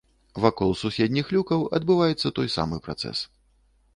Вакол суседніх люкаў адбываецца той самы працэс.